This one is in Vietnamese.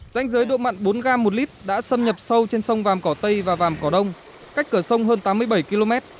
danh giới độ mặn bốn gram một lit đã xâm nhập sâu trên sông vàm cỏ tây và vàm cỏ đông cách cửa sông hơn tám mươi bảy km